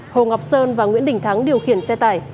hồ ngọc sơn và nguyễn đình thắng điều khiển xe tải